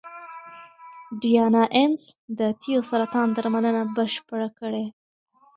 ډیانا اینز د تیو سرطان درملنه بشپړه کړې.